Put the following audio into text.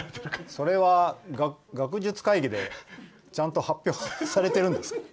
それは、学術会議でちゃんと発表されてるんですか？